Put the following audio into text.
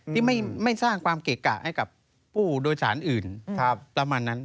ที่ไม่สร้างความเกะกะให้กับผู้โดยสารอื่นประมาณนั้น